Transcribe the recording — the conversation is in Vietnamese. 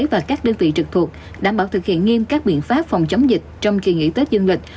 và các đơn vị trực thuộc đảm bảo thực hiện nghiêm các biện pháp phòng chống dịch trong kỳ nghỉ tết dương lịch